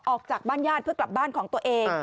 ออกจากบ้านญาติเพื่อกลับบ้านของตัวเอง